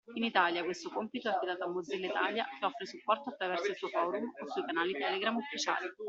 In Italia questo compito è affidato a Mozilla Italia che offre supporto attraverso il suo forum o sui canali Telegram ufficiali.